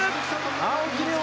青木玲緒